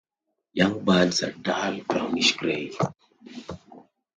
Young birds are dull brownish grey.